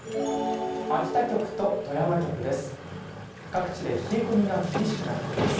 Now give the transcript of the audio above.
秋田局と富山局です。